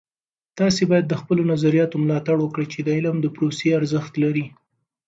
تاسې باید د خپلو نظریاتو ملاتړ وکړئ چې د علم د پروسې ارزښت لري.